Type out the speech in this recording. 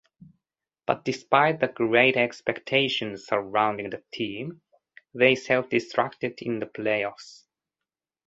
But despite the great expectations surrounding the team, they self-destructed in the playoffs.